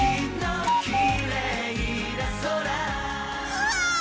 うわ！